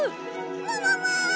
ももも！